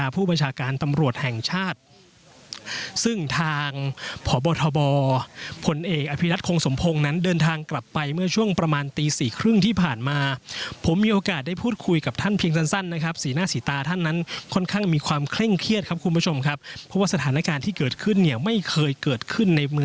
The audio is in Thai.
ผู้บัญชาการตำรวจแห่งชาติซึ่งทางพบทบผลเอกอภิรัตคงสมพงศ์นั้นเดินทางกลับไปเมื่อช่วงประมาณตีสี่ครึ่งที่ผ่านมาผมมีโอกาสได้พูดคุยกับท่านเพียงสั้นนะครับสีหน้าสีตาท่านนั้นค่อนข้างมีความเคร่งเครียดครับคุณผู้ชมครับเพราะว่าสถานการณ์ที่เกิดขึ้นเนี่ยไม่เคยเกิดขึ้นในมือ